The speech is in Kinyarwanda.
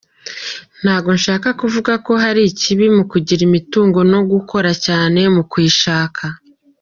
Ntabwo nshaka kuvuga ko hari ikibi mu kugira imitungo no gukora cyane mu kuyishaka.